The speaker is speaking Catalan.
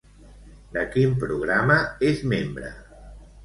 De quin programa és membre?